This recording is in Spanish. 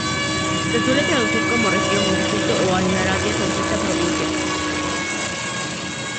Se suele traducir como "región", "distrito" o, en Arabia Saudita, "provincia".